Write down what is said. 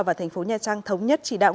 và tp nha trang thống nhất chỉ đạo